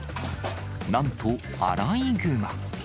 なんと、アライグマ。